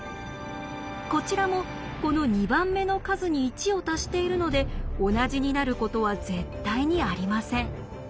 こちらもこの２番目の数に１を足しているので同じになることは絶対にありません。